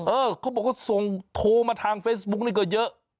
เออเขาบอกว่าส่งโทรมาทางเฟซบุ๊กนี่ก็เยอะ